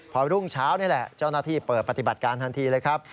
พอรุ่งเช้านี่แหละเจ้าหน้าที่เปิดปฏิบัติการทันทีเลยครับ